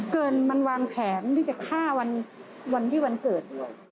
เกินมันวางแผนมันมาต้องฆ่าวันที่วันเกิด